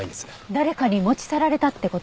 誰かに持ち去られたって事？